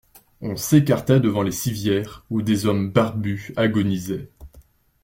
On s'écartait devant les civières où des hommes barbus agonisaient.